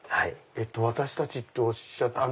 「私たち」とおっしゃって。